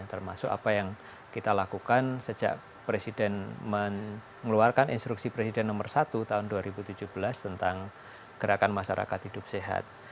termasuk apa yang kita lakukan sejak presiden mengeluarkan instruksi presiden nomor satu tahun dua ribu tujuh belas tentang gerakan masyarakat hidup sehat